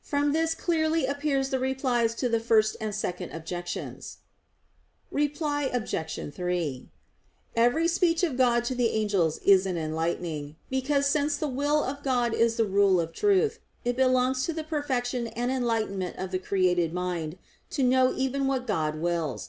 From this clearly appear the replies to the first and second objections. Reply Obj. 3: Every speech of God to the angels is an enlightening; because since the will of God is the rule of truth, it belongs to the perfection and enlightenment of the created mind to know even what God wills.